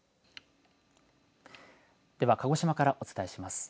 では鹿児島からお伝えします。